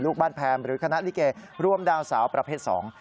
ลูกบ้านแพมหรือคณะลิเกรวมดาวสาวประเภทสอง